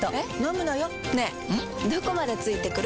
どこまで付いてくる？